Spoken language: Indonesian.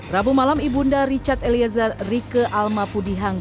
rabu malam ibunda richard eliezer rike alma pudihang